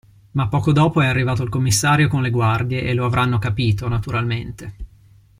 Ma poco dopo è arrivato il commissario con le guardie e lo avranno capito, naturalmente.